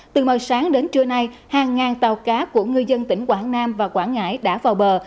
từ màu sáng đến trưa nay hàng ngàn tàu cá của ngư dân tỉnh quảng nam và quảng ngãi đã vào bờ